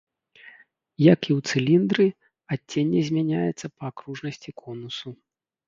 Як і ў цыліндры, адценне змяняецца па акружнасці конусу.